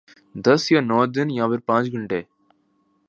دس یا نو دن یا پھر پانچ گھنٹے؟